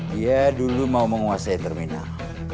dia dulu mau menguasai terminal